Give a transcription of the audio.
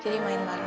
jadi main barengnya